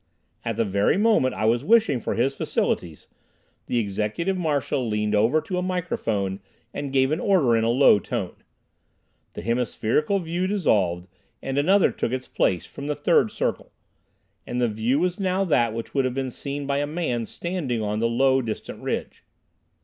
At the very moment I was wishing for his facilities the Executive Marshal leaned over to a microphone and gave an order in a low tone. The hemispherical view dissolved, and another took its place, from the third circle. And the view was now that which would be seen by a man standing on the low distant ridge.